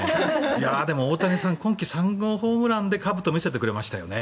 でも、大谷さん今季３号ホームランでかぶとを見せてくれましたよね。